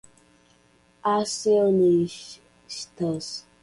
acionistas